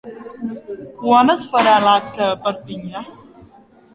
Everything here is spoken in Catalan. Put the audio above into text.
Quan es farà l'acte a Perpinyà?